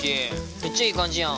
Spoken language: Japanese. めっちゃいい感じやん。